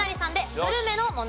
グルメの問題。